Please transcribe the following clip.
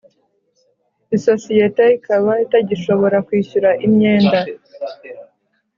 Isosiyete ikaba itagishobora kwishyura imyenda